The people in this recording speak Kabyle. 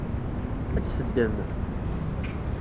Ad tt-teddem?